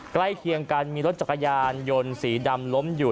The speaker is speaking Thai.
ใกล้เคียงกันมีรถจักรยานยนต์สีดำล้มอยู่